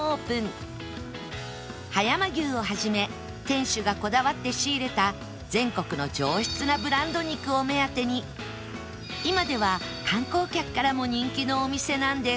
葉山牛をはじめ店主がこだわって仕入れた全国の上質なブランド肉を目当てに今では観光客からも人気のお店なんです